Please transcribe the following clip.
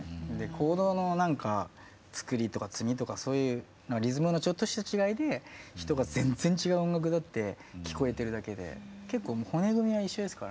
コードの作りとか積みとかそういうのはリズムのちょっとした違いで人が全然違う音楽だって聞こえてるだけで結構骨組みは一緒ですからね。